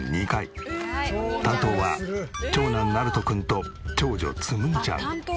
担当は長男なると君と長女つむぎちゃん。